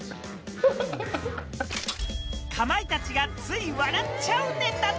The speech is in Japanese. かまいたちがつい笑っちゃうネタ。